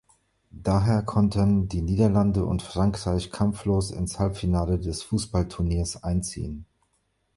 Daher konnten die Niederlande und Frankreich kampflos ins Halbfinale des Fußballturniers einziehen.